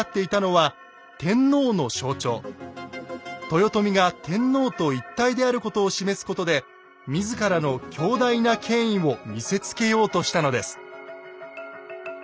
豊臣が天皇と一体であることを示すことで自らの強大な権威を見せつけようとしたのです。